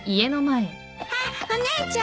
あっお姉ちゃん。